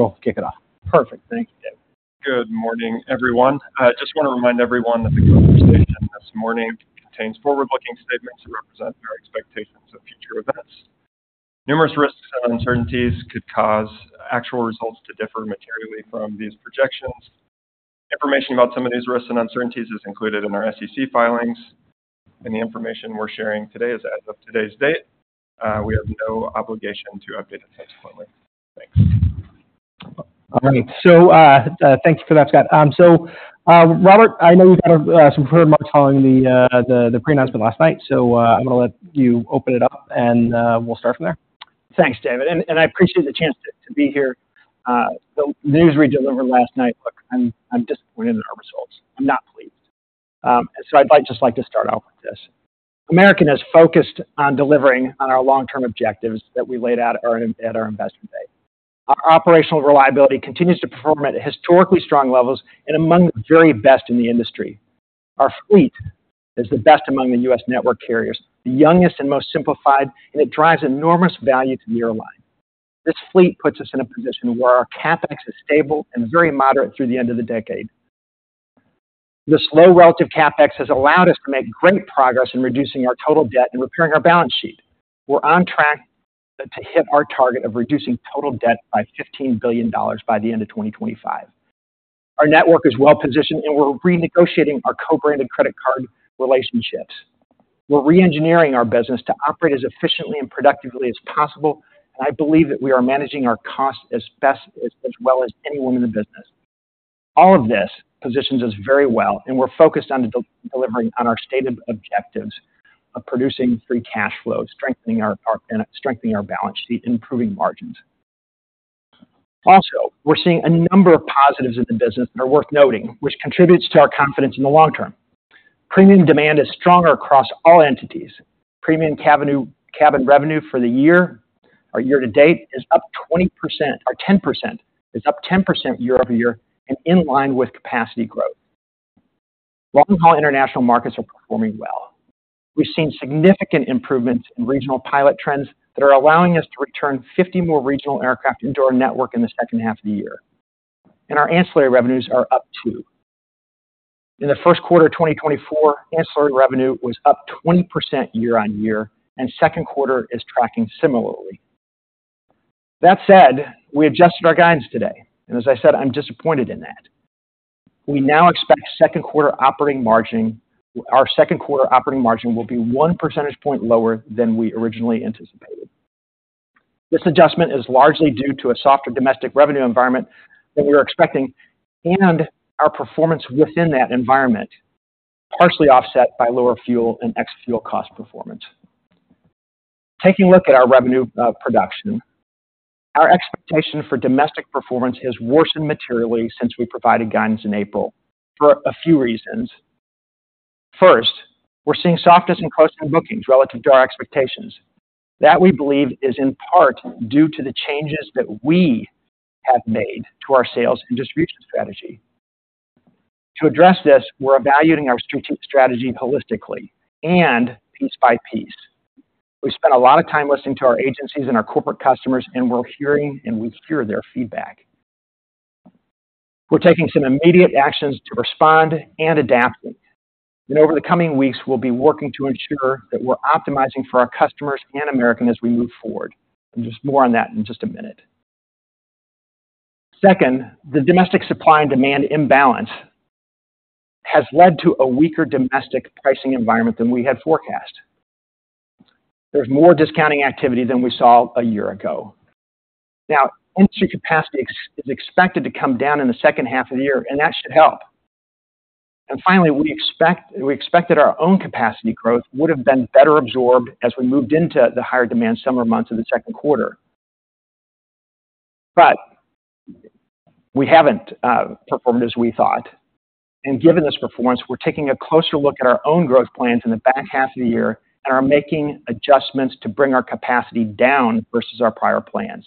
We'll kick it off. Perfect. Thank you, David. Good morning, everyone. I just want to remind everyone that the presentation this morning contains forward-looking statements that represent our expectations of future events. Numerous risks and uncertainties could cause actual results to differ materially from these projections. Information about some of these risks and uncertainties is included in our SEC filings, and the information we're sharing today is as of today's date. We have no obligation to update it subsequently. Thanks. All right. So, thank you for that, Scott. So, Robert, I know you've had some remarks following the pre-announcement last night, so, I'm going to let you open it up, and, we'll start from there. Thanks, David, and I appreciate the chance to be here. The news we delivered last night, look, I'm disappointed in our results. I'm not pleased. So I'd like just like to start off with this. American is focused on delivering on our long-term objectives that we laid out at our Investor Day. Our operational reliability continues to perform at historically strong levels and among the very best in the industry. Our fleet is the best among the US network carriers, the youngest and most simplified, and it drives enormous value to the airline. This fleet puts us in a position where our CapEx is stable and very moderate through the end of the decade. This low relative CapEx has allowed us to make great progress in reducing our total debt and repairing our balance sheet. We're on track to hit our target of reducing total debt by $15 billion by the end of 2025. Our network is well-positioned, and we're renegotiating our co-branded credit card relationships. We're reengineering our business to operate as efficiently and productively as possible, and I believe that we are managing our costs as well as anyone in the business. All of this positions us very well, and we're focused on delivering on our stated objectives of producing free cash flow, strengthening our balance sheet, improving margins. Also, we're seeing a number of positives in the business that are worth noting, which contributes to our confidence in the long term. Premium demand is stronger across all entities. Premium cabin revenue for the year or year to date is up 20% or 10%, is up 10% year-over-year and in line with capacity growth. Long-haul international markets are performing well. We've seen significant improvements in regional pilot trends that are allowing us to return 50 more regional aircraft into our network in the second half of the year, and our ancillary revenues are up, too. In the first quarter of 2024, ancillary revenue was up 20% year-over-year, and second quarter is tracking similarly. That said, we adjusted our guidance today, and as I said, I'm disappointed in that. We now expect second quarter operating margin, our second quarter operating margin will be one percentage point lower than we originally anticipated. This adjustment is largely due to a softer domestic revenue environment than we were expecting and our performance within that environment, partially offset by lower fuel and ex-fuel cost performance. Taking a look at our revenue production, our expectation for domestic performance has worsened materially since we provided guidance in April for a few reasons. First, we're seeing softness in close-in bookings relative to our expectations. That, we believe, is in part due to the changes that we have made to our sales and distribution strategy. To address this, we're evaluating our strategy holistically and piece by piece. We spent a lot of time listening to our agencies and our corporate customers, and we're hearing, and we hear their feedback. We're taking some immediate actions to respond and adapt, and over the coming weeks, we'll be working to ensure that we're optimizing for our customers and American as we move forward. Just more on that in just a minute. Second, the domestic supply and demand imbalance has led to a weaker domestic pricing environment than we had forecast. There's more discounting activity than we saw a year ago. Now, industry capacity ex-American is expected to come down in the second half of the year, and that should help. Finally, we expected our own capacity growth would have been better absorbed as we moved into the higher-demand summer months of the second quarter. We haven't performed as we thought, and given this performance, we're taking a closer look at our own growth plans in the back half of the year and are making adjustments to bring our capacity down versus our prior plans.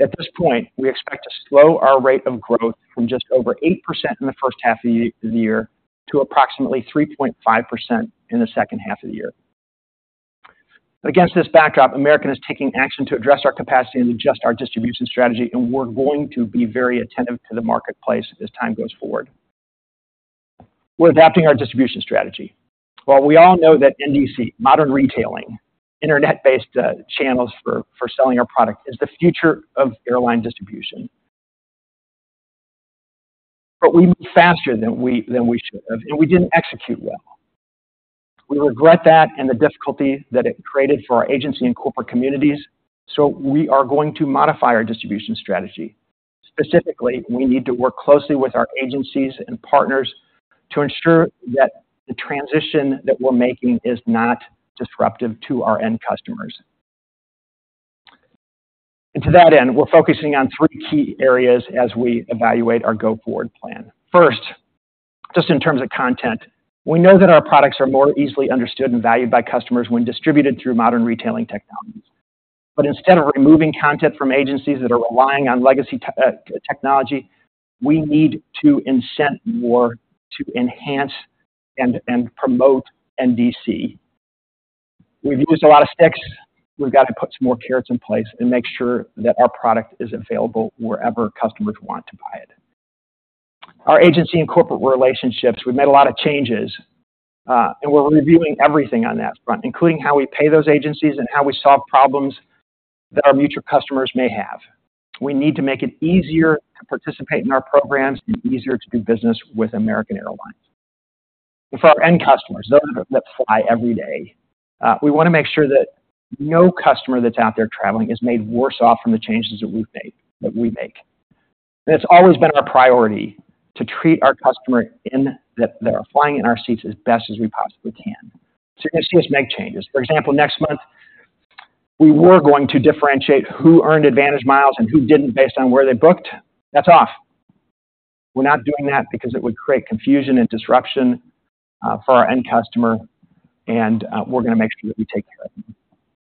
At this point, we expect to slow our rate of growth from just over 8% in the first half of the year to approximately 3.5% in the second half of the year. Against this backdrop, American is taking action to address our capacity and adjust our distribution strategy, and we're going to be very attentive to the marketplace as time goes forward. We're adapting our distribution strategy. While we all know that NDC, modern retailing, Internet-based channels for selling our product, is the future of airline distribution, but we moved faster than we should have, and we didn't execute well. We regret that and the difficulty that it created for our agency and corporate communities, so we are going to modify our distribution strategy. Specifically, we need to work closely with our agencies and partners to ensure that the transition that we're making is not disruptive to our end customers. And to that end, we're focusing on three key areas as we evaluate our go-forward plan. First, just in terms of content, we know that our products are more easily understood and valued by customers when distributed through modern retailing technologies. But instead of removing content from agencies that are relying on legacy technology, we need to incent more to enhance and promote NDC. We've used a lot of sticks. We've got to put some more carrots in place and make sure that our product is available wherever customers want to buy it. Our agency and corporate relationships, we've made a lot of changes, and we're reviewing everything on that front, including how we pay those agencies and how we solve problems that our mutual customers may have. We need to make it easier to participate in our programs and easier to do business with American Airlines. For our end customers, those that fly every day, we want to make sure that no customer that's out there traveling is made worse off from the changes that we've made, that we make. That's always been our priority, to treat our customers that are flying in our seats as best as we possibly can. So you're going to see us make changes. For example, next month, we were going to differentiate who earned AAdvantage miles and who didn't based on where they booked. That's off. We're not doing that because it would create confusion and disruption for our end customer, and we're going to make sure that we take care of it.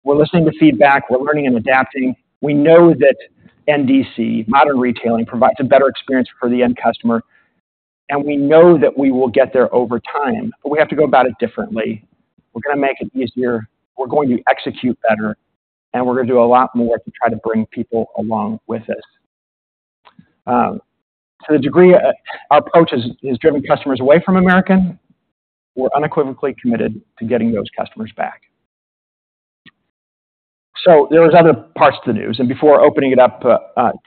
We're listening to feedback. We're learning and adapting. We know that NDC, modern retailing, provides a better experience for the end customer, and we know that we will get there over time, but we have to go about it differently. We're going to make it easier, we're going to execute better, and we're going to do a lot more to try to bring people along with us. To the degree our approach has driven customers away from American, we're unequivocally committed to getting those customers back. So there was other parts to the news, and before opening it up,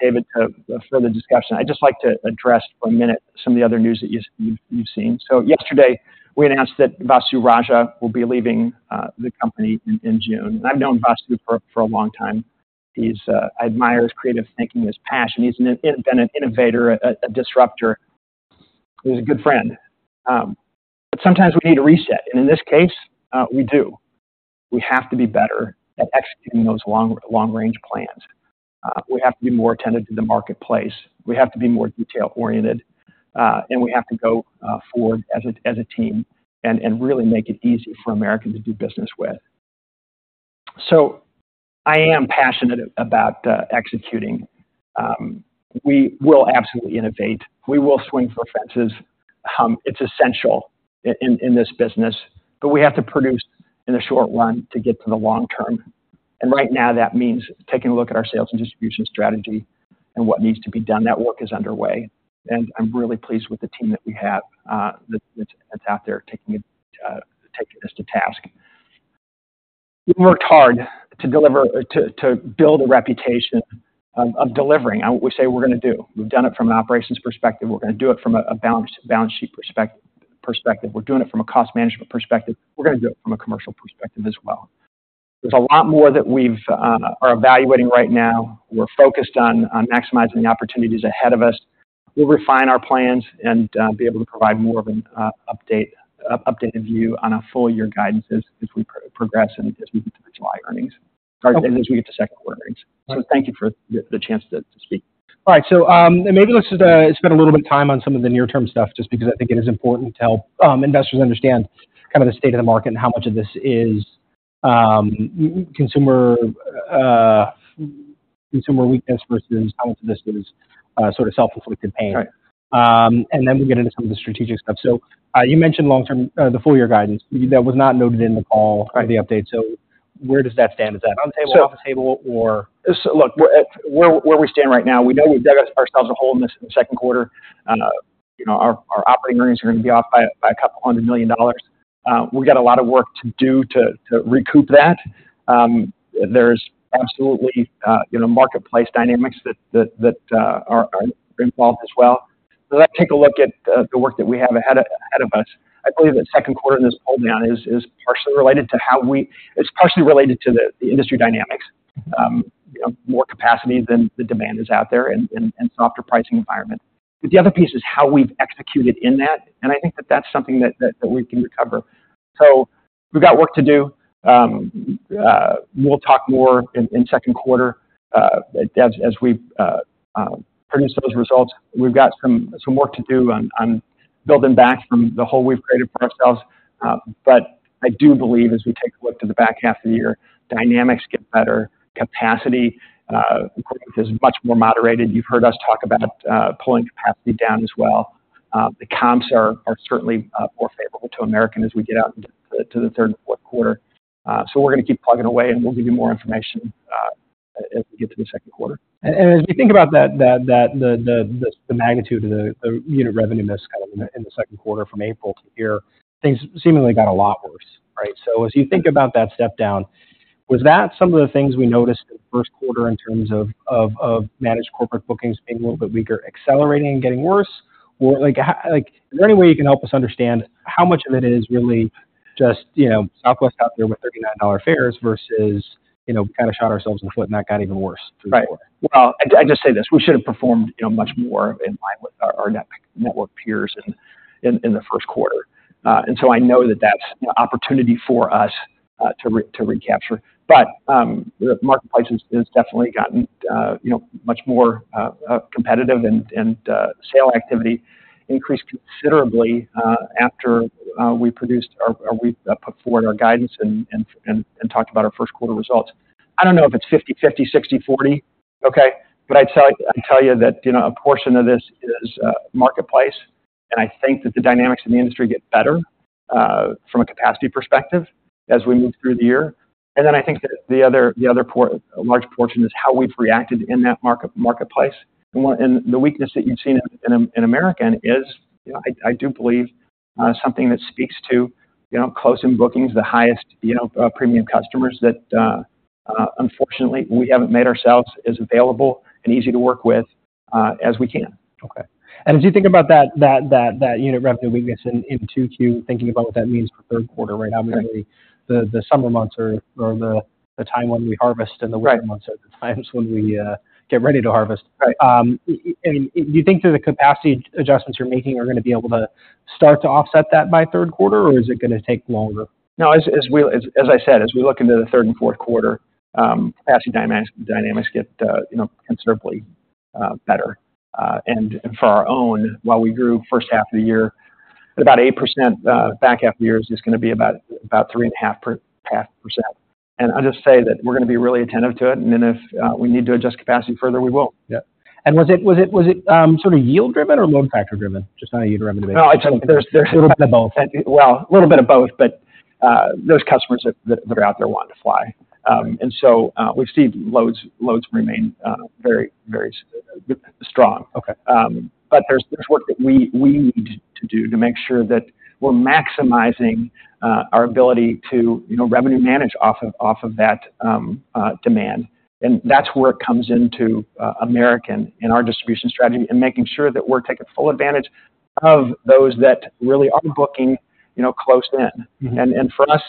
David, to further discussion, I'd just like to address for a minute some of the other news that you've seen. So yesterday, we announced that Vasu Raja will be leaving the company in June. And I've known Vasu for a long time. He's a—I admire his creative thinking, his passion. He's been an innovator, a disruptor. He's a good friend. But sometimes we need to reset, and in this case, we do. We have to be better at executing those long-range plans. We have to be more attentive to the marketplace. We have to be more detail-oriented, and we have to go forward as a team and really make it easy for American to do business with. So I am passionate about executing. We will absolutely innovate. We will swing for fences. It's essential in this business, but we have to produce in the short run to get to the long term. And right now, that means taking a look at our sales and distribution strategy and what needs to be done. That work is underway, and I'm really pleased with the team that we have that's out there taking it, taking this to task. We've worked hard to build a reputation of delivering on what we say we're gonna do. We've done it from an operations perspective. We're gonna do it from a balance sheet perspective. We're doing it from a cost management perspective. We're gonna do it from a commercial perspective as well. There's a lot more that we are evaluating right now. We're focused on maximizing the opportunities ahead of us. We'll refine our plans and be able to provide more of an updated view on our full year guidance as we progress and as we get to July earnings, or as we get to second quarter earnings. So thank you for the chance to speak. All right, so, and maybe let's just spend a little bit of time on some of the near-term stuff, just because I think it is important to help investors understand kind of the state of the market and how much of this is consumer weakness versus how much of this is sort of self-inflicted pain. Right. And then we get into some of the strategic stuff. So, you mentioned long-term, the full year guidance. That was not noted in the call- Right. or the update, so where does that stand? Is that on the table- So- off the table or? So look, we're at where we stand right now. We know we've dug ourselves a hole in this, in the second quarter. You know, our operating earnings are going to be off by $200 million. We've got a lot of work to do to recoup that. There's absolutely, you know, marketplace dynamics that are involved as well. So let's take a look at the work that we have ahead of us. I believe that second quarter in this pull down is partially related to how we, it's partially related to the industry dynamics. You know, more capacity than the demand is out there and softer pricing environment. But the other piece is how we've executed in that, and I think that's something that we can recover. So we've got work to do. We'll talk more in second quarter as we produce those results. We've got some work to do on building back from the hole we've created for ourselves. But I do believe as we take a look to the back half of the year, dynamics get better, capacity is much more moderated. You've heard us talk about pulling capacity down as well. The comps are certainly more favorable to American as we get out into the third and fourth quarter. So we're gonna keep plugging away, and we'll give you more information as we get to the second quarter. As we think about that, the magnitude of the unit revenue that's kind of in the second quarter from April to here, things seemingly got a lot worse, right? So as you think about that step down, was that some of the things we noticed in the first quarter in terms of managed corporate bookings being a little bit weaker, accelerating and getting worse? Or like, how, like, is there any way you can help us understand how much of it is really just, you know, Southwest out there with $39 fares versus, you know, kind of shot ourselves in the foot and that got even worse through the quarter? Right. Well, I just say this: We should have performed, you know, much more in line with our network peers in the first quarter. And so I know that that's an opportunity for us to recapture. But the marketplace has definitely gotten, you know, much more competitive and sale activity increased considerably after we put forward our guidance and talked about our first quarter results. I don't know if it's 50/50, 60/40, okay? But I'd tell you, I'd tell you that, you know, a portion of this is marketplace and I think that the dynamics in the industry get better from a capacity perspective as we move through the year. And then I think that the other large portion is how we've reacted in that marketplace. And the weakness that you've seen in American is, you know, I do believe something that speaks to, you know, close-in bookings, the highest, you know, premium customers that unfortunately we haven't made ourselves as available and easy to work with as we can. Okay. And as you think about that unit revenue weakness in 2Q, thinking about what that means for third quarter, right? Right. Now, the summer months are the time when we harvest- Right. And the winter months are the times when we get ready to harvest. Right. Do you think that the capacity adjustments you're making are gonna be able to start to offset that by third quarter, or is it gonna take longer? No, as I said, as we look into the third and fourth quarter, capacity dynamics get, you know, considerably better. And for our own, while we grew first half of the year, about 8%, back half of the year is just gonna be about 3.5%. And I'll just say that we're gonna be really attentive to it, and then if we need to adjust capacity further, we will. Yeah. Was it sort of yield driven or load factor driven? Just on a unit revenue basis. No, I think there's- A little bit of both. Well, a little bit of both, but those customers that, that are out there want to fly. And so, we've seen loads, loads remain very, very strong. Okay. But there's work that we need to do to make sure that we're maximizing our ability to, you know, revenue manage off of that demand. And that's where it comes into American and our distribution strategy, and making sure that we're taking full advantage of those that really are booking, you know, close in. And for us,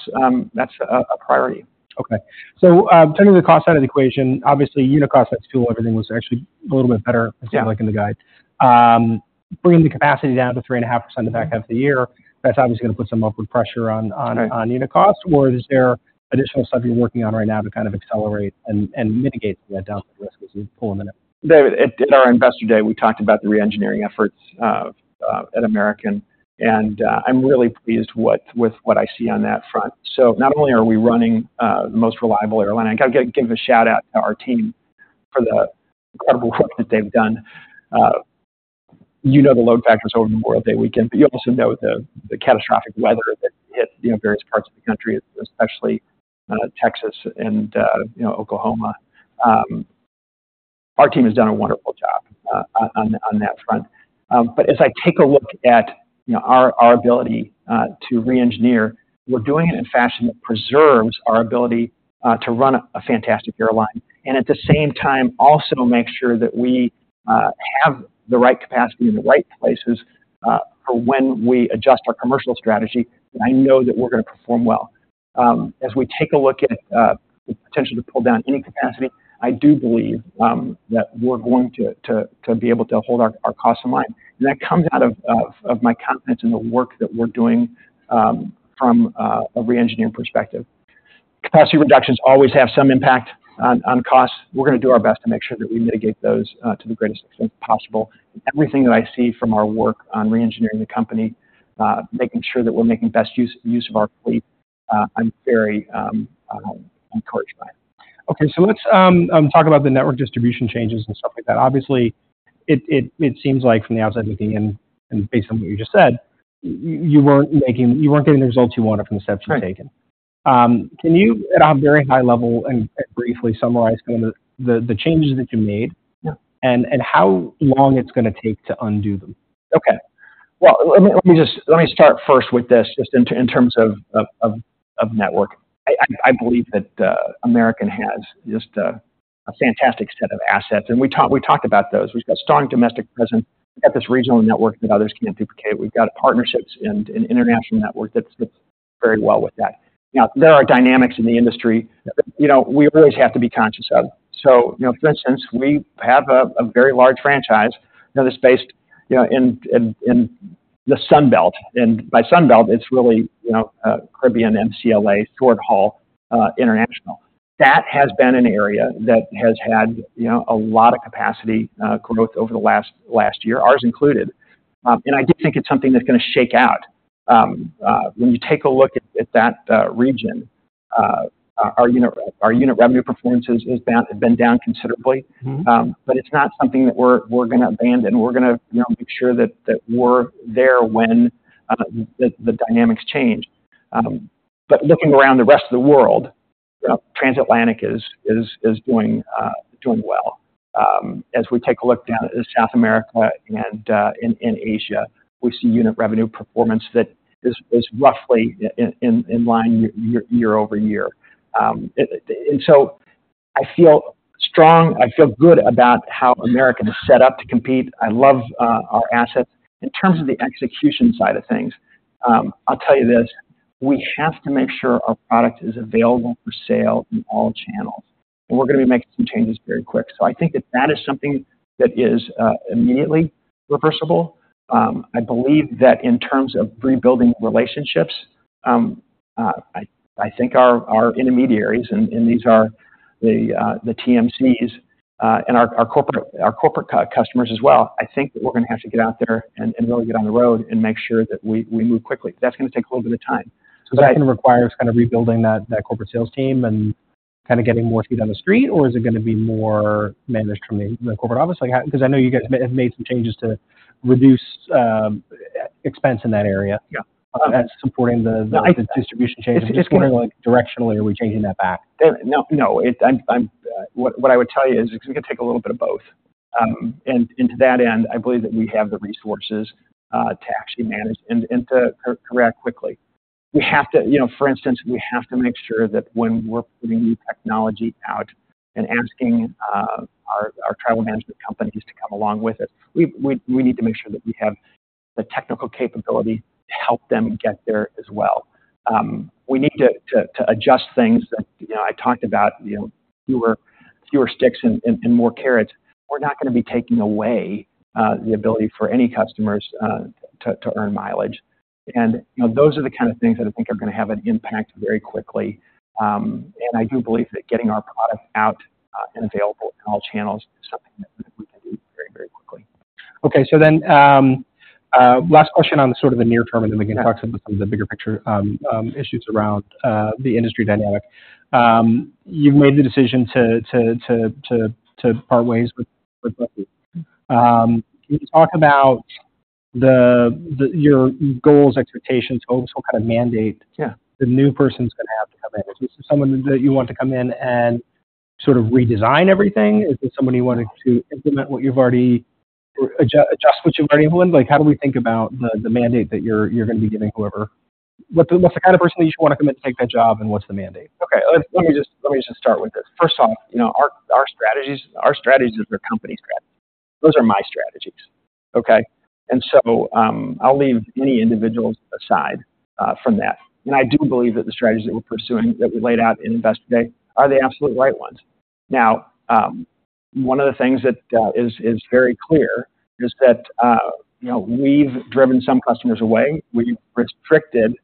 that's a priority. Okay. So, turning to the cost side of the equation, obviously, unit cost at fuel, everything was actually a little bit better- Yeah It seemed like in the guide. Bringing the capacity down to 3.5% the back half of the year, that's obviously gonna put some upward pressure on, on- Right on unit cost, or is there additional stuff you're working on right now to kind of accelerate and mitigate the downside risk as you pull them in it? At our Investor Day, we talked about the reengineering efforts at American, and I'm really pleased with what I see on that front. So not only are we running the most reliable airline, I got to give a shout-out to our team for the incredible work that they've done. You know, the load factors over the Memorial Day weekend, but you also know the catastrophic weather that hit you know various parts of the country, especially Texas and you know Oklahoma. Our team has done a wonderful job on that front. But as I take a look at, you know, our ability to reengineer, we're doing it in a fashion that preserves our ability to run a fantastic airline, and at the same time, also make sure that we have the right capacity in the right places for when we adjust our commercial strategy, and I know that we're gonna perform well. As we take a look at the potential to pull down any capacity, I do believe that we're going to be able to hold our costs in line. And that comes out of my confidence in the work that we're doing from a reengineering perspective. Capacity reductions always have some impact on costs. We're gonna do our best to make sure that we mitigate those to the greatest extent possible. Everything that I see from our work on reengineering the company, making sure that we're making best use of our fleet, I'm very encouraged by it. Okay, so let's talk about the network distribution changes and stuff like that. Obviously, it seems like from the outside looking in, and based on what you just said, you weren't getting the results you wanted from the steps you've taken. Right. Can you, at a very high level and briefly summarize kind of the changes that you made? Yeah. How long it's gonna take to undo them? Okay. Well, let me just start first with this, just in terms of network. I believe that American has just a fantastic set of assets, and we talked about those. We've got a strong domestic presence, we've got this regional network that others can't duplicate. We've got partnerships and international network that fits very well with that. Now, there are dynamics in the industry that, you know, we always have to be conscious of. So, you know, for instance, we have a very large franchise that is based, you know, in the Sun Belt, and by Sun Belt, it's really, you know, Caribbean, MCLA, short-haul international. That has been an area that has had, you know, a lot of capacity growth over the last year, ours included. And I do think it's something that's gonna shake out. When you take a look at that region, our unit revenue performance is down, have been down considerably. But it's not something that we're, we're gonna abandon. We're gonna, you know, make sure that, that we're there when the, the dynamics change. But looking around the rest of the world, you know, transatlantic is, is, is doing, doing well. As we take a look down at South America and in Asia, we see unit revenue performance that is roughly in line year-over-year. And so I feel strong, I feel good about how American is set up to compete. I love our assets. In terms of the execution side of things, I'll tell you this: We have to make sure our product is available for sale in all channels, and we're gonna be making some changes very quick. So I think that that is something that is immediately reversible. I believe that in terms of rebuilding relationships, I think our intermediaries, and these are the TMCs, and our corporate customers as well, I think that we're gonna have to get out there and really get on the road and make sure that we move quickly. That's gonna take a little bit of time. So that's gonna require us kind of rebuilding that, that corporate sales team and kind of getting more feet on the street, or is it gonna be more managed from the, the corporate office? Like, how? Because I know you guys have, have made some changes to reduce expense in that area. Yeah. And supporting the distribution chain. I'm just wondering, like, directionally, are we changing that back? No, no, it's what I would tell you is, it's gonna take a little bit of both. And to that end, I believe that we have the resources to actually manage and to correct quickly. You know, for instance, we have to make sure that when we're putting new technology out and asking our travel management companies to come along with it, we need to make sure that we have the technical capability to help them get there as well. We need to adjust things that, you know, I talked about, you know, fewer sticks and more carrots. We're not gonna be taking away the ability for any customers to earn mileage. You know, those are the kind of things that I think are gonna have an impact very quickly. And I do believe that getting our product out, and available in all channels is something that we can do very, very quickly. Okay, so then, last question on the sort of near term, and then we can talk about some of the bigger picture issues around the industry dynamic. You've made the decision to part ways with Vasu. Can you talk about your goals, expectations, what kind of mandate- Yeah. The new person's gonna have to come in? Is this someone that you want to come in and sort of redesign everything? Is it somebody you wanted to implement what you've already... Or adjust, adjust what you've already implemented? Like, how do we think about the, the mandate that you're, you're gonna be giving whoever? What's the, what's the kind of person that you wanna come in to take that job, and what's the mandate? Okay, let me just start with this. First off, you know, our strategies are the company's strategies. Those are my strategies, okay? I'll leave any individuals aside from that. And I do believe that the strategies that we're pursuing, that we laid out in Investor Day are the absolute right ones. Now, one of the things that is very clear is that, you know, we've driven some customers away. We've restricted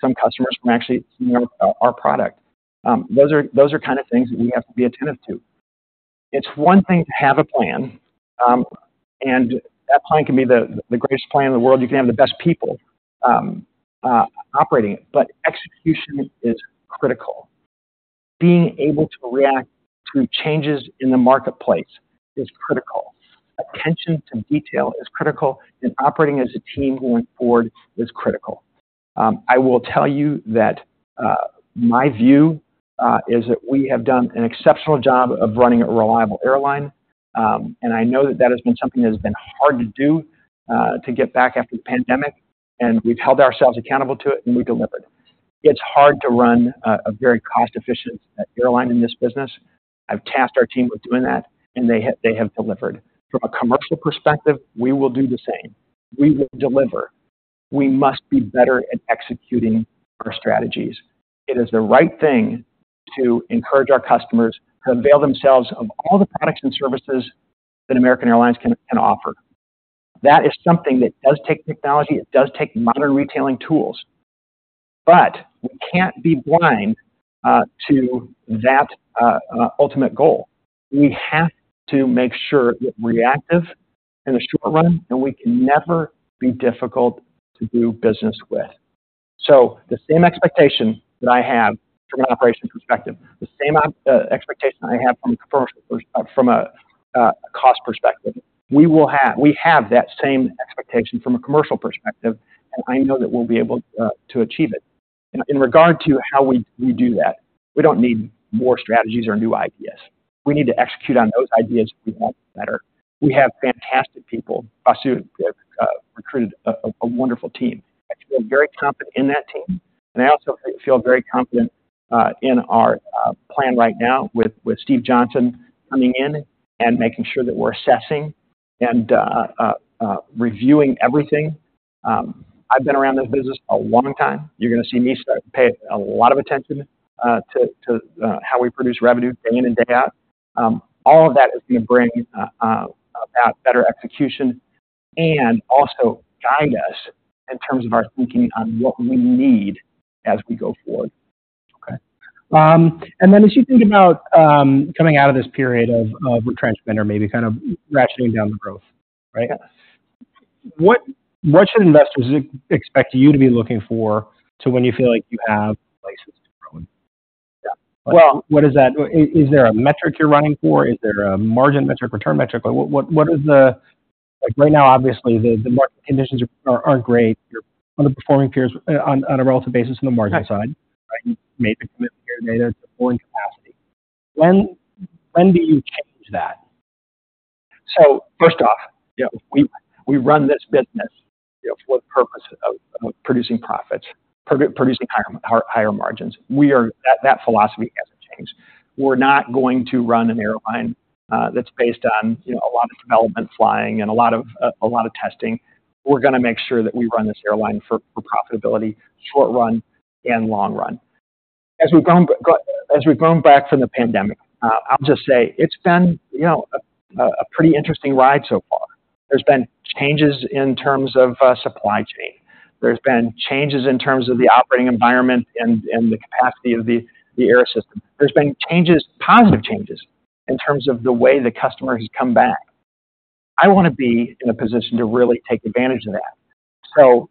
some customers from actually seeing our product. Those are kind of things that we have to be attentive to. It's one thing to have a plan, and that plan can be the greatest plan in the world. You can have the best people operating it, but execution is critical. Being able to react to changes in the marketplace is critical. Attention to detail is critical, and operating as a team going forward is critical. I will tell you that my view is that we have done an exceptional job of running a reliable airline, and I know that that has been something that has been hard to do to get back after the pandemic, and we've held ourselves accountable to it, and we delivered. It's hard to run a very cost-efficient airline in this business. I've tasked our team with doing that, and they have, they have delivered. From a commercial perspective, we will do the same. We will deliver. We must be better at executing our strategies. It is the right thing to encourage our customers to avail themselves of all the products and services that American Airlines can offer. That is something that does take technology. It does take modern retailing tools, but we can't be blind to that ultimate goal. We have to make sure we're reactive in the short run, and we can never be difficult to do business with. So the same expectation that I have from an operations perspective, the same expectation I have from a commercial, from a cost perspective, we have that same expectation from a commercial perspective, and I know that we'll be able to achieve it. In regard to how we do that, we don't need more strategies or new ideas. We need to execute on those ideas we want better. We have fantastic people. Vasu have recruited a wonderful team. I feel very confident in that team, and I also feel very confident in our plan right now with Steve Johnson coming in and making sure that we're assessing and reviewing everything. I've been around this business a long time. You're gonna see me start to pay a lot of attention to how we produce revenue day in and day out. All of that is gonna bring about better execution and also guide us in terms of our thinking on what we need as we go forward. Okay. And then as you think about coming out of this period of retrenchment or maybe kind of ratcheting down the growth, right? Yes. What should investors expect you to be looking for to when you feel like you have places to grow? Yeah. Well- What is that? Is there a metric you're running for? Is there a margin metric, return metric? What is the... Like, right now, obviously, the market conditions are great. You're one of the performing peers on a relative basis on the margin side. Right. You made the commitment here today to foreign capacity. When do you change that? So first off, you know, we run this business, you know, for the purpose of producing profits, producing higher margins. That philosophy hasn't changed. We're not going to run an airline that's based on, you know, a lot of development flying and a lot of testing. We're gonna make sure that we run this airline for profitability, short run and long run. As we've grown back from the pandemic, I'll just say it's been, you know, a pretty interesting ride so far. There's been changes in terms of supply chain. There's been changes in terms of the operating environment and the capacity of the air system. There's been changes, positive changes, in terms of the way the customers come back.... I wanna be in a position to really take advantage of that. So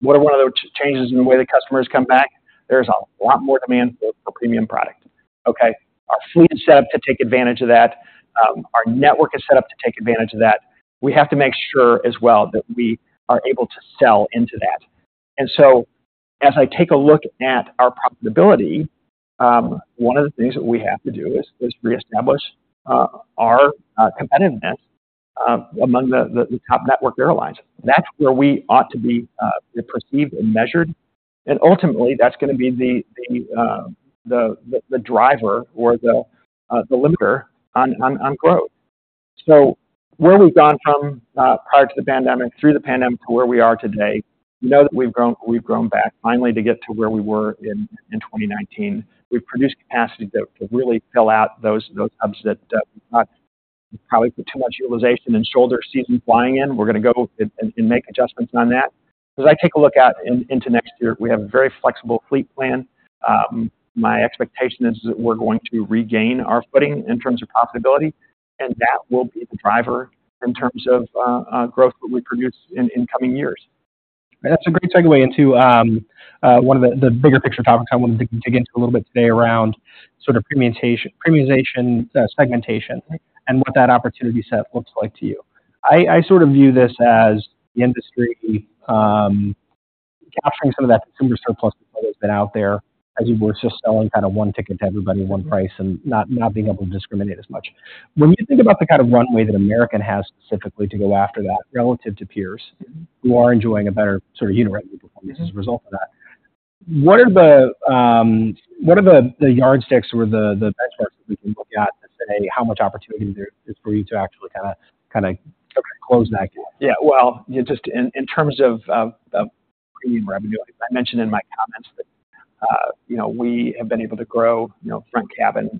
what are one of the changes in the way that customers come back? There's a lot more demand for premium product, okay? Our fleet is set up to take advantage of that. Our network is set up to take advantage of that. We have to make sure as well that we are able to sell into that. And so as I take a look at our profitability, one of the things that we have to do is reestablish our competitiveness among the top network airlines. That's where we ought to be perceived and measured, and ultimately, that's gonna be the driver or the limiter on growth. So where we've gone from, prior to the pandemic, through the pandemic, to where we are today, we know that we've grown, we've grown back finally to get to where we were in 2019. We've produced capacity that could really fill out those hubs that not probably put too much utilization in shoulder season flying in. We're gonna go and make adjustments on that. As I take a look out into next year, we have a very flexible fleet plan. My expectation is that we're going to regain our footing in terms of profitability, and that will be the driver in terms of growth that we produce in coming years. That's a great segue into one of the bigger picture topics I wanted to dig into a little bit today around sort of premiumization, segmentation. Right. -and what that opportunity set looks like to you. I sort of view this as the industry capturing some of that consumer surplus that has been out there as you were just selling kind of one ticket to everybody, one price, and not being able to discriminate as much. When you think about the kind of runway that American has specifically to go after that, relative to peers who are enjoying a better sort of unit revenue performance as a result of that, what are the yardsticks or the benchmarks that we can look at to say how much opportunity there is for you to actually kinda close that gap? Yeah, well, just in terms of premium revenue, I mentioned in my comments that, you know, we have been able to grow, you know, front cabin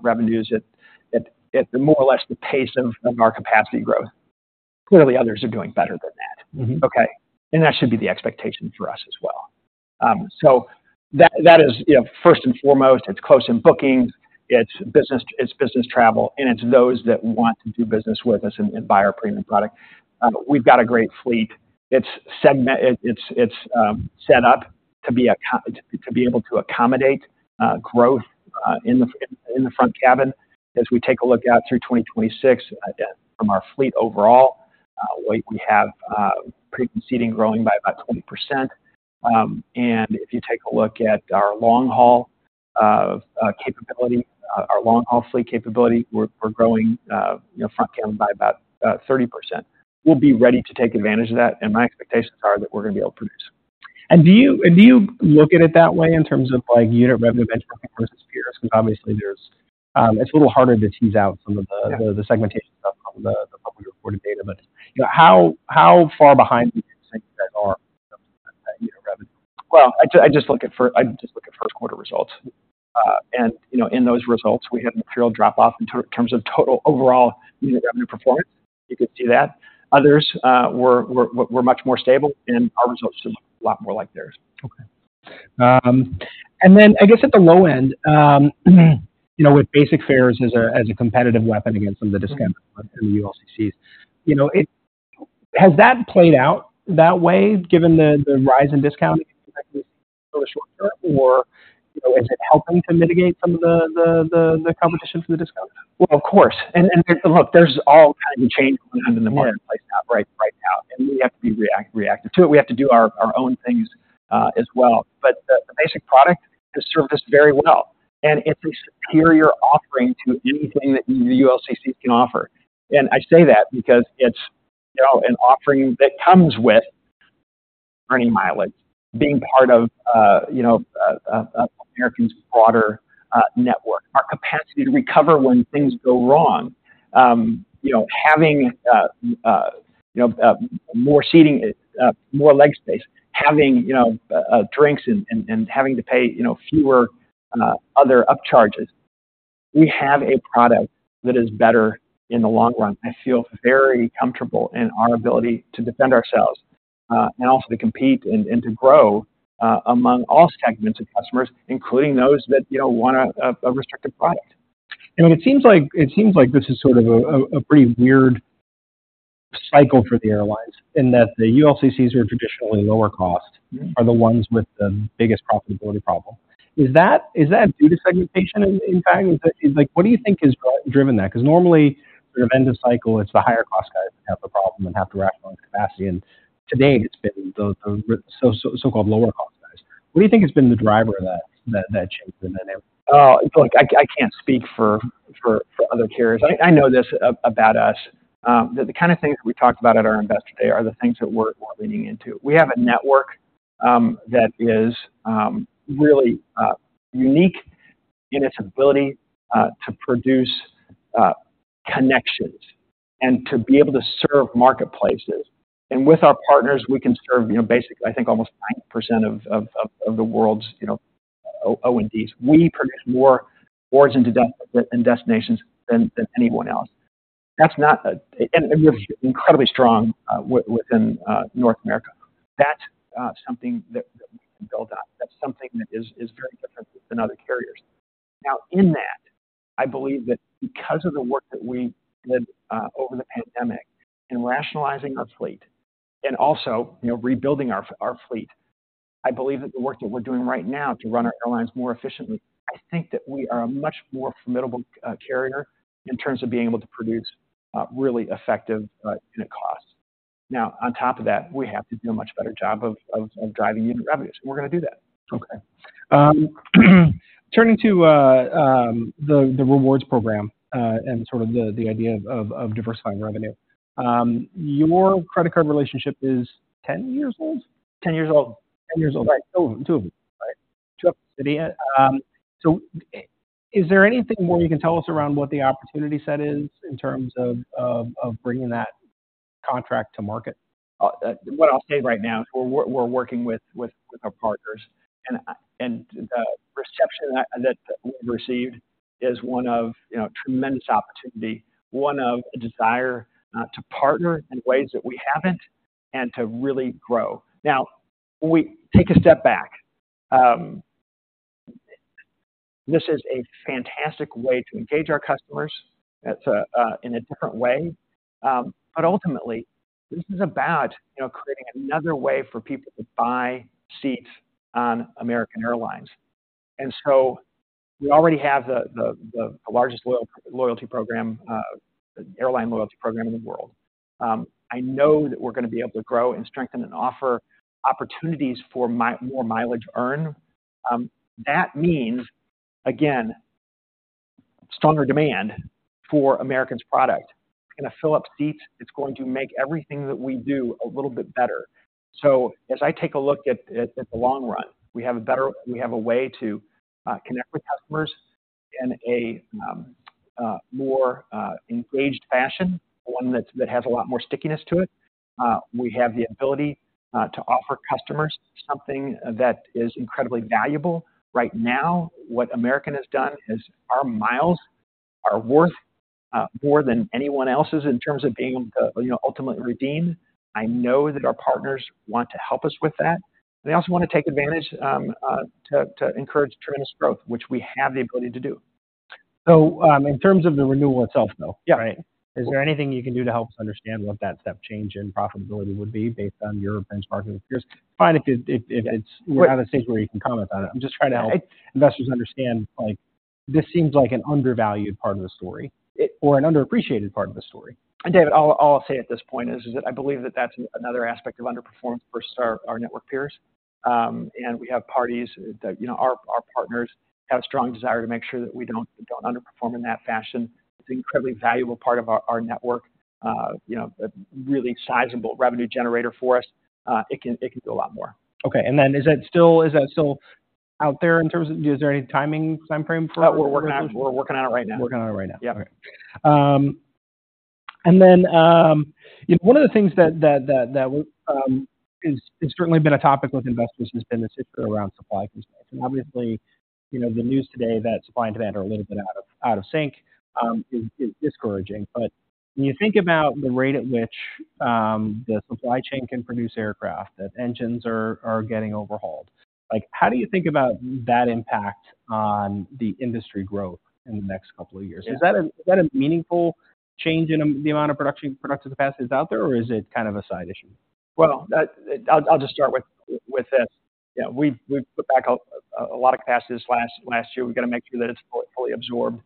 revenues at more or less the pace of our capacity growth. Clearly, others are doing better than that. Okay, and that should be the expectation for us as well. So that, that is, you know, first and foremost, it's close in bookings, it's business, it's business travel, and it's those that want to do business with us and buy our premium product. We've got a great fleet. It's set up to be able to accommodate growth in the front cabin. As we take a look out through 2026, from our fleet overall, we have premium seating growing by about 20%. And if you take a look at our long-haul capability, our long-haul fleet capability, we're growing, you know, front cabin by about 30%. We'll be ready to take advantage of that, and my expectations are that we're gonna be able to produce. Do you look at it that way in terms of, like, unit revenue benchmark versus peers? Because obviously there's. It's a little harder to tease out some of the- Yeah... the segmentation of the, the publicly reported data. But, you know, how, how far behind do you think you guys are in terms of that unit revenue? Well, I just look at first quarter results. And, you know, in those results, we had a material drop-off in terms of total overall unit revenue performance. You could see that. Others were much more stable, and our results look a lot more like theirs. Okay. And then I guess at the low end, you know, with basic fares as a competitive weapon against some of the discount in the ULCCs, you know, it has that played out that way, given the rise in discount for the short term? Or, you know, is it helping to mitigate some of the competition from the discount? Well, of course. And, and look, there's all kinds of change going on in the marketplace- Yeah Right, right now, and we have to be reactive to it. We have to do our own things as well. But the basic product has served us very well, and it's a superior offering to anything that the ULCCs can offer. And I say that because it's, you know, an offering that comes with earning mileage, being part of American's broader network. Our capacity to recover when things go wrong, you know, having more seating, more leg space, having drinks and having to pay fewer other upcharges. We have a product that is better in the long run. I feel very comfortable in our ability to defend ourselves, and also to compete and to grow, among all segments of customers, including those that, you know, want a restricted product. I mean, it seems like this is sort of a pretty weird cycle for the airlines, in that the ULCCs are traditionally lower cost- Are the ones with the biggest profitability problem. Is that due to segmentation, in fact? Like, what do you think has driven that? Because normally, at the end of cycle, it's the higher-cost guys that have a problem and have to rationalize capacity, and to date, it's been the so-called lower-cost guys. What do you think has been the driver of that change in the network? Oh, look, I can't speak for other carriers. I know this about us, that the kind of things we talked about at our investor day are the things that we're leaning into. We have a network that is really unique in its ability to produce connections and to be able to serve marketplaces. And with our partners, we can serve, you know, basically, I think, almost 90% of the world's, you know, O&Ds. We produce more origin and destinations than anyone else. That's not a... And we're incredibly strong within North America. That's something that built out. That's something that is very different than other carriers. Now, in that, I believe that because of the work that we did over the pandemic in rationalizing our fleet and also, you know, rebuilding our fleet, I believe that the work that we're doing right now to run our airlines more efficiently. I think that we are a much more formidable carrier in terms of being able to produce really effective unit costs. Now, on top of that, we have to do a much better job of driving unit revenues, and we're gonna do that. Okay. Turning to the rewards program, and sort of the idea of diversifying revenue. Your credit card relationship is 10 years old? 10 years old. 10 years old. Right. 2 of them, 2 of them. Right. So is there anything more you can tell us around what the opportunity set is in terms of, of, of bringing that contract to market? What I'll say right now is we're working with our partners, and the reception that we've received is one of, you know, tremendous opportunity, one of a desire to partner in ways that we haven't and to really grow. Now, we take a step back. This is a fantastic way to engage our customers. It's in a different way, but ultimately, this is about, you know, creating another way for people to buy seats on American Airlines. And so we already have the largest loyalty program, airline loyalty program in the world. I know that we're gonna be able to grow and strengthen and offer opportunities for more mileage earn. That means, again, stronger demand for American's product. It's gonna fill up seats. It's going to make everything that we do a little bit better. As I take a look at the long run, we have a way to connect with customers in a more engaged fashion, one that has a lot more stickiness to it. We have the ability to offer customers something that is incredibly valuable. Right now, what American has done is our miles are worth more than anyone else's in terms of being able to, you know, ultimately redeem. I know that our partners want to help us with that. They also wanna take advantage to encourage tremendous growth, which we have the ability to do. So, in terms of the renewal itself, though. Yeah. Right? Is there anything you can do to help us understand what that step change in profitability would be based on your benchmark with peers? Fine, if it's- Right. We're at a stage where you can comment on it. I'm just trying to help investors understand, like, this seems like an undervalued part of the story, or an underappreciated part of the story. And David, all I'll say at this point is that I believe that that's another aspect of underperformance versus our network peers. And we have parties that... You know, our partners have a strong desire to make sure that we don't underperform in that fashion. It's an incredibly valuable part of our network, you know, a really sizable revenue generator for us. It can do a lot more. Okay. And then is that still out there in terms of, is there any timing time frame for that? We're working on it. We're working on it right now. Working on it right now. Yeah. Okay. And then, you know, one of the things that has certainly been a topic with investors has been this issue around supply constraints. And obviously, you know, the news today that supply and demand are a little bit out of sync is discouraging. But when you think about the rate at which the supply chain can produce aircraft, that engines are getting overhauled, like, how do you think about that impact on the industry growth in the next couple of years? Yeah. Is that a meaningful change in the amount of productive capacity that's out there, or is it kind of a side issue? Well, I'll just start with this. Yeah, we've put back a lot of capacity this last year. We've got to make sure that it's fully absorbed.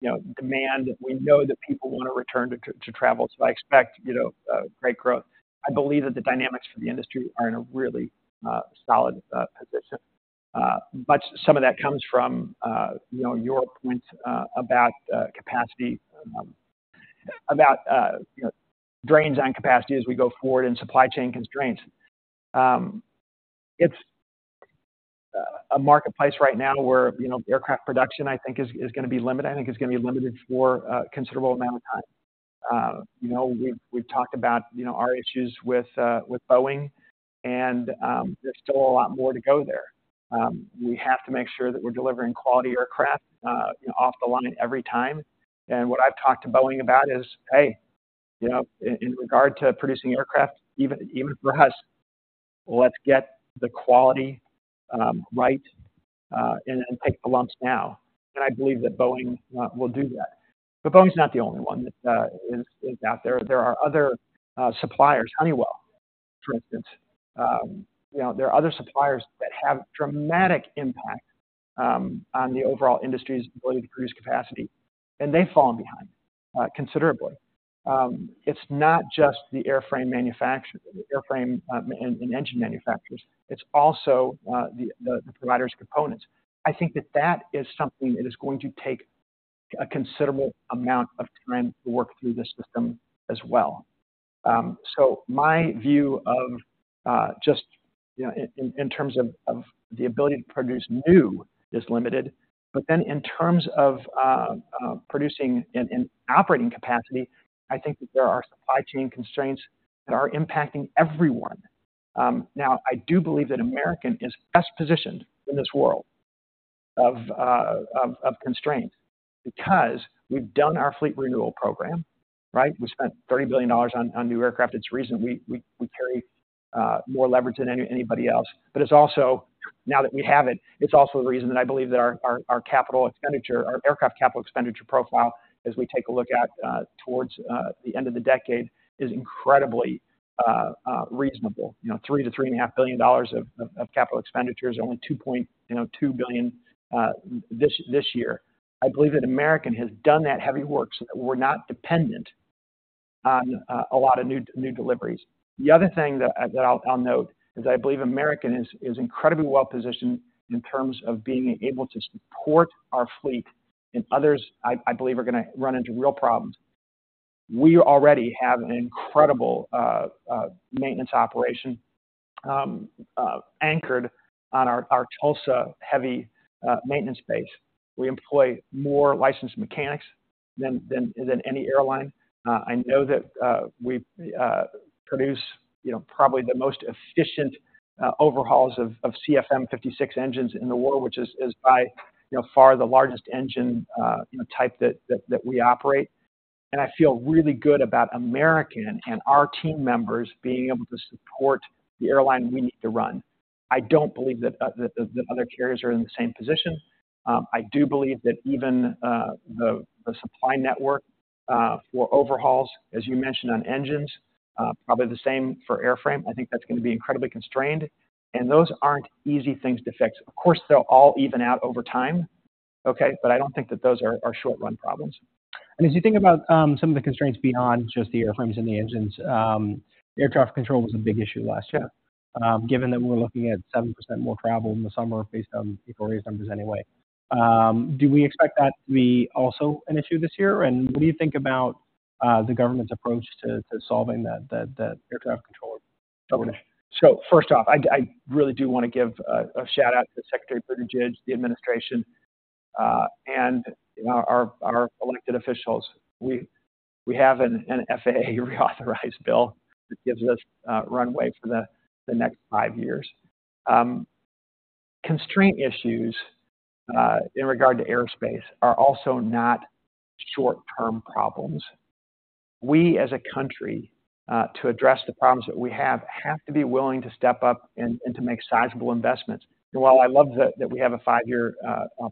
You know, demand, we know that people want to return to travel, so I expect, you know, great growth. I believe that the dynamics for the industry are in a really solid position. But some of that comes from, you know, your point about capacity, about, you know, drains on capacity as we go forward and supply chain constraints. It's a marketplace right now where, you know, aircraft production, I think, is gonna be limited. I think it's gonna be limited for a considerable amount of time. You know, we've talked about, you know, our issues with Boeing, and there's still a lot more to go there. We have to make sure that we're delivering quality aircraft off the line every time. And what I've talked to Boeing about is: Hey, you know, in regard to producing aircraft, even for us, let's get the quality right, and take the lumps now. And I believe that Boeing will do that. But Boeing's not the only one that is out there. There are other suppliers, Honeywell, for instance. You know, there are other suppliers that have dramatic impact on the overall industry's ability to produce capacity, and they've fallen behind considerably. It's not just the airframe manufacturer, the airframe, and engine manufacturers, it's also the providers of components. I think that that is something that is going to take a considerable amount of time to work through the system as well. So my view of, just, you know, in terms of the ability to produce new is limited, but then in terms of producing and operating capacity, I think that there are supply chain constraints that are impacting everyone. Now, I do believe that American is best positioned in this world of constraint, because we've done our fleet renewal program, right? We spent $30 billion on new aircraft. It's the reason we carry more leverage than anybody else. But it's also, now that we have it, it's also the reason that I believe that our capital expenditure, our aircraft capital expenditure profile, as we take a look at towards the end of the decade, is incredibly reasonable. You know, $3 billion-$3.5 billion of capital expenditures, only $2.2 billion this year. I believe that American has done that heavy work so that we're not dependent on a lot of new deliveries. The other thing that I'll note is I believe American is incredibly well positioned in terms of being able to support our fleet, and others, I believe, are gonna run into real problems. We already have an incredible maintenance operation anchored on our Tulsa heavy maintenance base. We employ more licensed mechanics than any airline. I know that we produce, you know, probably the most efficient overhauls of CFM56 engines in the world, which is by, you know, far the largest engine, you know, type that we operate. And I feel really good about American and our team members being able to support the airline we need to run. I don't believe that other carriers are in the same position. I do believe that even the supply network for overhauls, as you mentioned, on engines, probably the same for airframe. I think that's gonna be incredibly constrained, and those aren't easy things to fix. Of course, they'll all even out over time, okay? But I don't think that those are short-run problems. As you think about some of the constraints beyond just the airframes and the engines, air traffic control was a big issue last year. Given that we're looking at 7% more travel in the summer based on February numbers anyway, do we expect that to be also an issue this year? And what do you think about the government's approach to solving the air traffic controller problem? So first off, I really do wanna give a shout-out to Secretary Buttigieg, the administration, and, you know, our elected officials. We have an FAA reauthorized bill that gives us runway for the next five years. Constraint issues in regard to airspace are also not short-term problems. We, as a country, to address the problems that we have to be willing to step up and to make sizable investments. And while I love that we have a five-year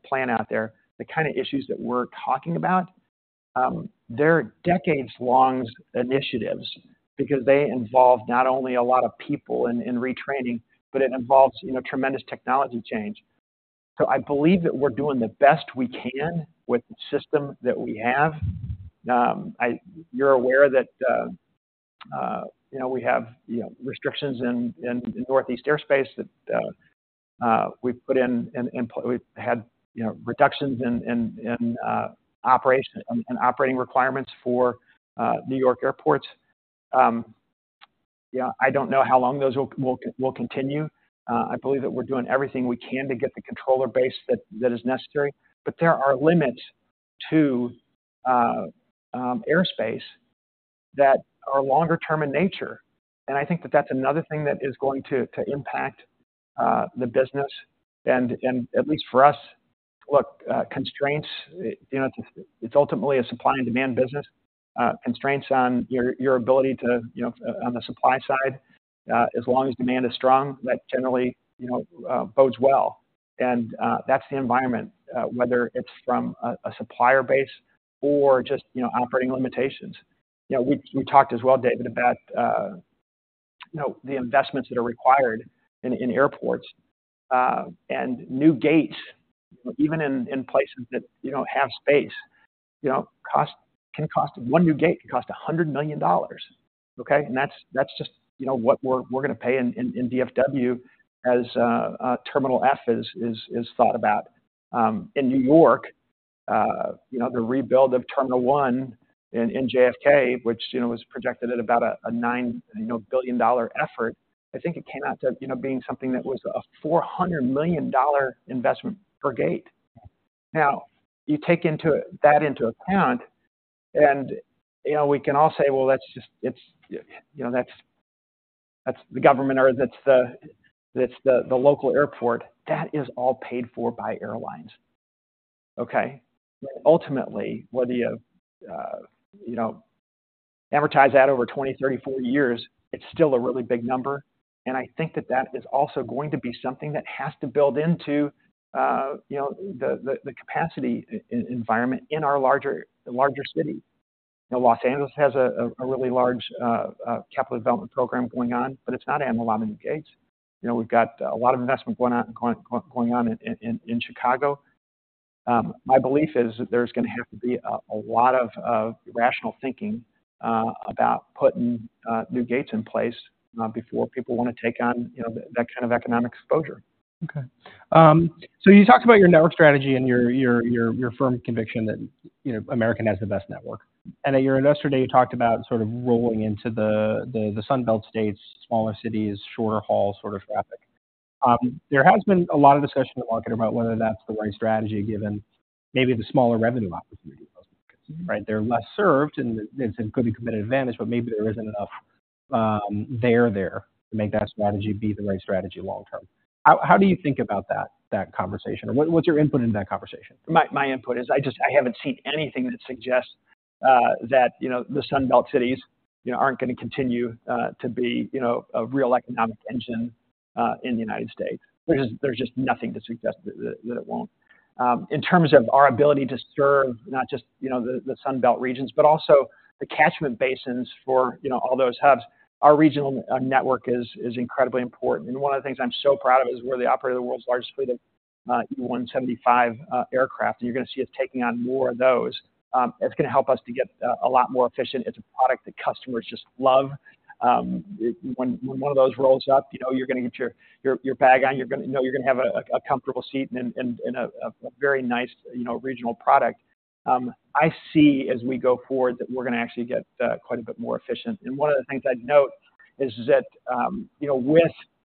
plan out there, the kind of issues that we're talking about, they're decades-long initiatives, because they involve not only a lot of people in retraining, but it involves, you know, tremendous technology change. So I believe that we're doing the best we can with the system that we have. I... You're aware that, you know, we have, you know, restrictions in the Northeast airspace, that we've put in, and we've had, you know, reductions in operating requirements for New York airports. Yeah, I don't know how long those will continue. I believe that we're doing everything we can to get the controller base that is necessary, but there are limits to airspace that are longer term in nature. And I think that that's another thing that is going to impact the business, and at least for us, look, constraints, you know, it's ultimately a supply and demand business. Constraints on your ability to, you know, on the supply side, as long as demand is strong, that generally, you know, bodes well. That's the environment, whether it's from a supplier base or just, you know, operating limitations. You know, we talked as well, David, about, you know, the investments that are required in airports and new gates, even in places that you don't have space, you know, one new gate can cost $100 million, okay? That's just, you know, what we're gonna pay in DFW as Terminal F is thought about. In New York, you know, the rebuild of Terminal 1 in JFK, which, you know, was projected at about a $9 billion-dollar effort, I think it came out to, you know, being something that was a $400 million investment per gate. Now, take that into account, and, you know, we can all say, "Well, that's just... It's, you know, that's, that's the government or that's the, that's the, the local airport." That is all paid for by airlines, okay? Ultimately, whether you, you know, amortize that over 20, 30, 40 years, it's still a really big number. And I think that that is also going to be something that has to build into, you know, the, the, the capacity environment in our larger, larger cities. You know, Los Angeles has a, a really large, capital development program going on, but it's not adding a lot of new gates. You know, we've got a lot of investment going on, going, going on in, in, in Chicago. My belief is that there's gonna have to be a lot of rational thinking about putting new gates in place before people want to take on, you know, that kind of economic exposure. Okay. So you talked about your network strategy and your firm conviction that, you know, American has the best network. And at your investor day, you talked about sort of rolling into the Sun Belt states, smaller cities, shorter hauls sort of traffic. There has been a lot of discussion in the market about whether that's the right strategy, given maybe the smaller revenue opportunity.... Right? They're less served, and it's a competitive advantage, but maybe there isn't enough to make that strategy be the right strategy long term. How do you think about that conversation? What's your input into that conversation? My input is I just haven't seen anything that suggests that, you know, the Sun Belt cities, you know, aren't gonna continue to be, you know, a real economic engine in the United States. There's just nothing to suggest that it won't. In terms of our ability to serve, not just, you know, the Sun Belt regions, but also the catchment basins for, you know, all those hubs, our regional network is incredibly important. And one of the things I'm so proud of is we're the operator of the world's largest fleet of E175 aircraft. You're gonna see us taking on more of those. It's gonna help us to get a lot more efficient. It's a product that customers just love. When one of those rolls up, you know, you're gonna get your bag on, you're gonna... You know, you're gonna have a comfortable seat and a very nice, you know, regional product. I see as we go forward that we're gonna actually get quite a bit more efficient. And one of the things I'd note is that, you know, with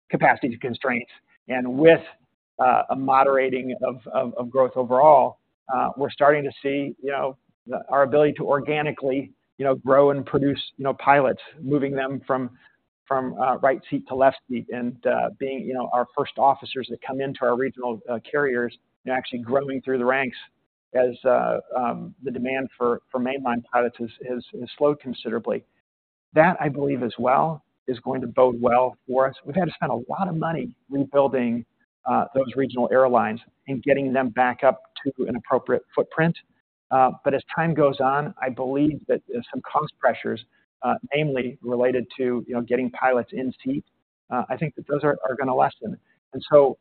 capacity constraints and with a moderating of growth overall, we're starting to see, you know, our ability to organically, you know, grow and produce, you know, pilots, moving them from right seat to left seat and being, you know, our first officers that come into our regional carriers and actually growing through the ranks as the demand for mainline pilots has slowed considerably. That, I believe, as well, is going to bode well for us. We've had to spend a lot of money rebuilding those regional airlines and getting them back up to an appropriate footprint. But as time goes on, I believe that some cost pressures, namely related to, you know, getting pilots in seat, I think that those are gonna lessen. And so,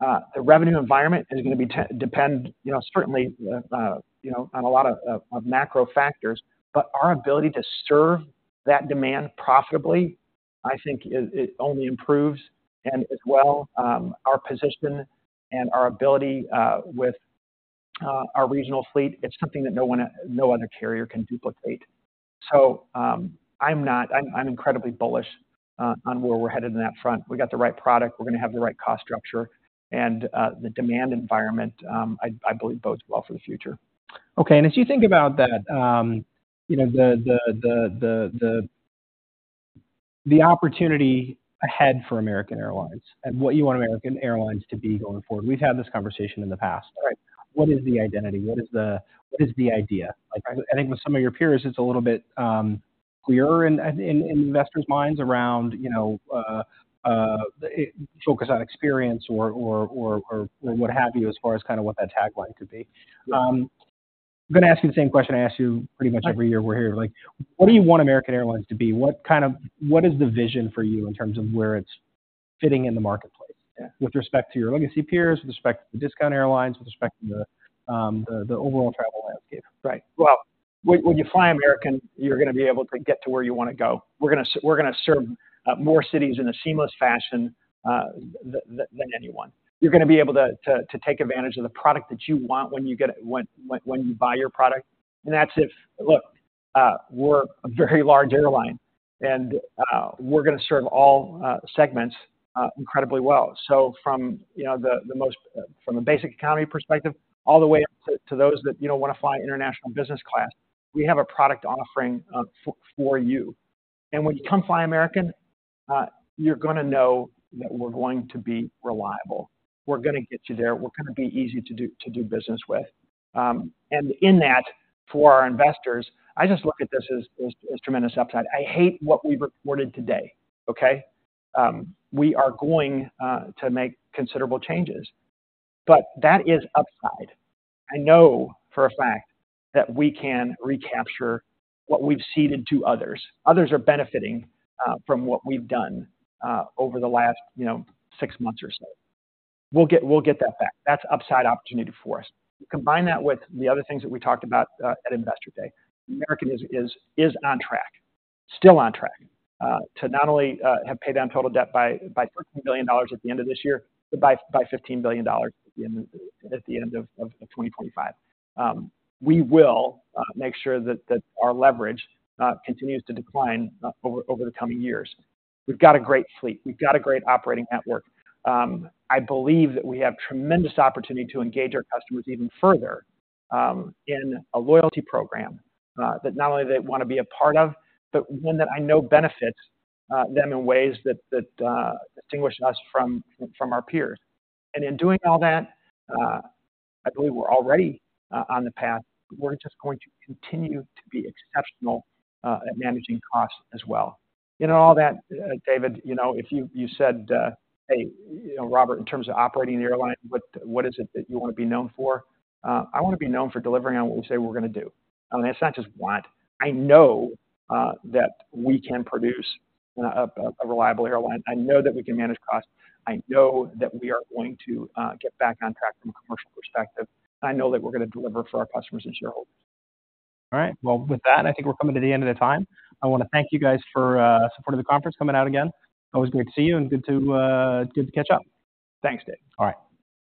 the revenue environment is gonna be depend, you know, certainly, you know, on a lot of macro factors, but our ability to serve that demand profitably, I think is—it only improves. And as well, our position and our ability with our regional fleet, it's something that no one, no other carrier can duplicate. So, I'm incredibly bullish on where we're headed in that front. We've got the right product, we're gonna have the right cost structure, and the demand environment, I believe bodes well for the future. Okay. As you think about that, you know, the opportunity ahead for American Airlines and what you want American Airlines to be going forward, we've had this conversation in the past. Right. What is the identity? What is the idea? Like, I think with some of your peers, it's a little bit clearer in investors' minds around, you know, focus on experience or what have you, as far as kind of what that tagline could be. I'm gonna ask you the same question I ask you pretty much every year we're here. Like, what do you want American Airlines to be? What kind of—what is the vision for you in terms of where it's fitting in the marketplace— Yeah... With respect to your legacy peers, with respect to the discount airlines, with respect to the overall travel landscape? Right. Well, when you fly American, you're gonna be able to get to where you wanna go. We're gonna serve more cities in a seamless fashion than anyone. You're gonna be able to take advantage of the product that you want when you get it, when you buy your product, and that's it. Look, we're a very large airline, and we're gonna serve all segments incredibly well. So from, you know, the most, from a Basic Economy perspective, all the way up to those that, you know, wanna fly international business class, we have a product offering for you. When you come fly American, you're gonna know that we're going to be reliable. We're gonna get you there. We're gonna be easy to do business with. And in that, for our investors, I just look at this as tremendous upside. I hate what we've reported today, okay? We are going to make considerable changes, but that is upside. I know for a fact that we can recapture what we've ceded to others. Others are benefiting from what we've done over the last, you know, six months or so. We'll get that back. That's upside opportunity for us. Combine that with the other things that we talked about at Investor Day, American is on track, still on track, to not only have paid down total debt by $13 billion at the end of this year, but by $15 billion at the end of 2025. We will make sure that our leverage continues to decline over the coming years. We've got a great fleet. We've got a great operating network. I believe that we have tremendous opportunity to engage our customers even further in a loyalty program that not only they want to be a part of, but one that I know benefits them in ways that distinguish us from our peers. And in doing all that, I believe we're already on the path. We're just going to continue to be exceptional at managing costs as well. In all that, David, you know, if you said, "Hey, you know, Robert, in terms of operating an airline, what is it that you want to be known for?" I wanna be known for delivering on what we say we're gonna do. I mean, it's not just want. I know that we can produce a reliable airline. I know that we can manage costs. I know that we are going to get back on track from a commercial perspective. I know that we're gonna deliver for our customers and shareholders. All right. Well, with that, I think we're coming to the end of the time. I wanna thank you guys for supporting the conference, coming out again. Always great to see you and good to catch up. Thanks, Dave. All right.